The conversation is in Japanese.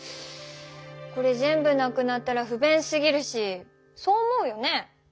これ全部なくなったらふべんすぎるしそう思うよね？